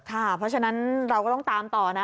เพราะฉะนั้นเราก็ต้องตามต่อนะ